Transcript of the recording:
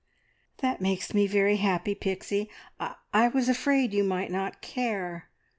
"That makes me very happy, Pixie. I I was afraid you might not care.